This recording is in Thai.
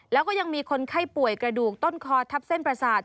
แล้วก็ยังมีคนไข้ป่วยกระดูกต้นคอทับเส้นประสาท